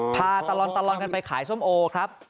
พาตลอดกันไปขายส้มโอครับ